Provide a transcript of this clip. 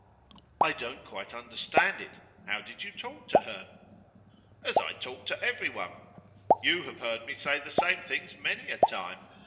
'I don't quite understand it. How did you talk to her?' 'As I talk to everyone. You have heard me say the same things many a time.